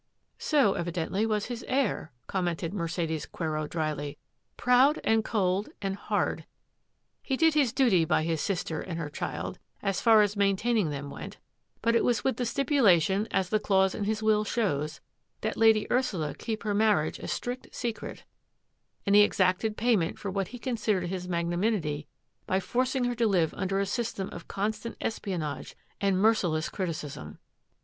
" So, evidently, was his heir," commented Mer cedes Quero dryly ;^^ proud and cold and hard. He did his duty by his sister and her child, as far as maintaining them went, but it was with the stipulation, as the clause in his will shows, that Lady Ursula keep her marriage a strict secret, and he exacted payment for what he considered his magnanimity by forcing her to live under a system of constant espionage and merciless criti cism.